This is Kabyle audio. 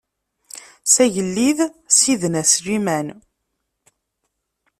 S agellid Sidna Sliman.